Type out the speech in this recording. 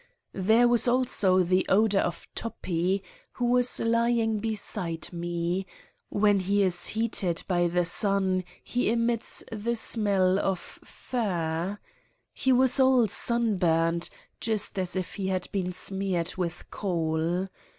There was also the odor of Toppi, who was lying beside me : when he is heated by the sun he emits the smell of fur. He was all sunburned, just as if he had been smeared with coal.